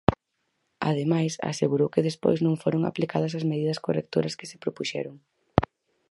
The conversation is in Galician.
Ademais, asegurou que despois non foron aplicadas as medidas correctoras que se propuxeron.